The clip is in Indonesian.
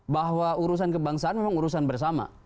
bahwa urusan kebangsaan memang urusan bersama